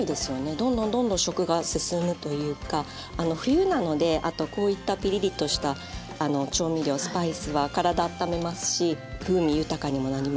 どんどんどんどん食が進むというか冬なのであとこういったピリリとした調味料・スパイスは体あっためますし風味豊かにもなりますしよく使います。